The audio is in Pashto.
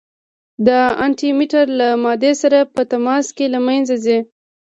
د انټي مټر له مادې سره په تماس کې له منځه ځي.